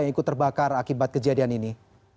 yang ikut terbakar akibat kejadian ini